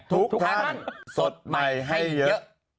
ทุกท่านสดใหม่ให้เยอะ